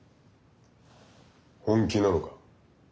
本気なのか？